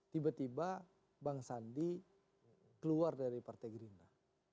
tiba tiba bang sandi keluar dari partai gerindra